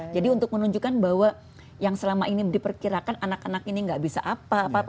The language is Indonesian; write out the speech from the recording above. jadi untuk menunjukkan bahwa yang selama ini diperkirakan anak anak ini gak bisa apa apa